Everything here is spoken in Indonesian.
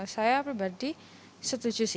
saya pribadi setuju